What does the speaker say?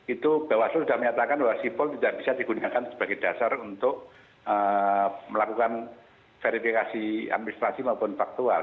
itu bawaslu sudah menyatakan bahwa sipol tidak bisa digunakan sebagai dasar untuk melakukan verifikasi administrasi maupun faktual